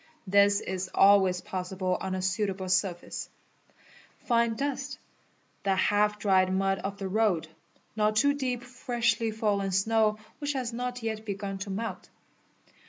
This is always possibl on a suitable surface ; fine dust, the half dried mud of the road, not too dee} freshly fallen snow which has not yet begun to melt.